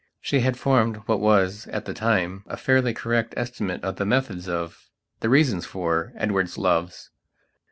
She had formed what was, at that time, a fairly correct estimate of the methods of, the reasons for, Edward's loves.